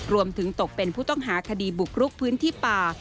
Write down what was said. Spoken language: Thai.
ตกเป็นผู้ต้องหาคดีบุกรุกพื้นที่ป่า